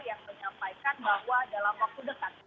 yang menyampaikan bahwa dalam waktu dekat